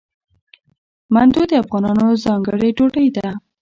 منتو د افغانانو ځانګړې ډوډۍ ده.